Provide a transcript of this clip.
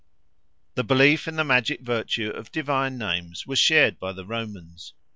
The belief in the magic virtue of divine names was shared by the Romans.